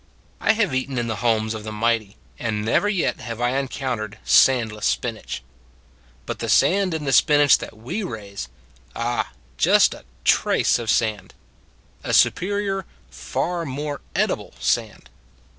I have eaten in the homes of the mighty, and never yet have I encountered sandless spinach. But the sand in the spinach that To a Can of Beans 155 we raise ah, just a trace of sand. A su perior, far more edible sand.